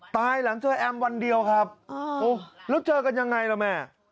หลังเจอแอมวันเดียวครับแล้วเจอกันยังไงล่ะแม่